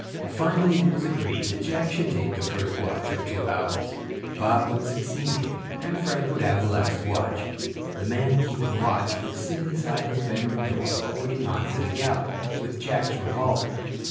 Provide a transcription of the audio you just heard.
Finally it was agreed that Jack should take the first watch of two hours, Bob would succeed him and Frank would have the last watch. The man keeping watch would sit inside his bedroom door opening on to the gallery, with Jack's revolver.